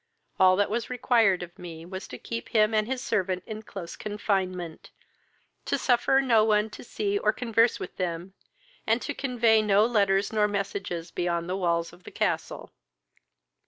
All that was required of me was to keep him and his servant in close confinement, to suffer on one to see or converse with them, and to convey no letters nor messages beyond the walls of the castle.